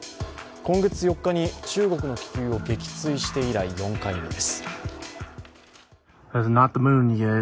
今月４日に中国の気球を撃墜して以来、４回目です。